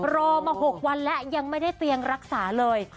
รอมา๖วันแล้วยังไม่ได้เตียงรักษาเลย